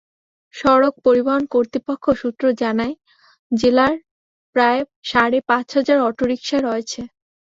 সড়ক পরিবহন কর্তৃপক্ষ সূত্র জানায়, জেলায় প্রায় সাড়ে পাঁচ হাজার অটোরিকশা রয়েছে।